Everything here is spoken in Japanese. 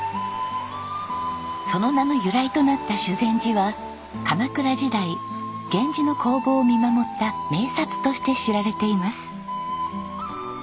その名の由来となった修禅寺は鎌倉時代源氏の興亡を見守った名刹として知られています。